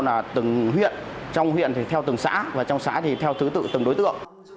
là từng huyện trong huyện thì theo từng xã và trong xã thì theo thứ tự từng đối tượng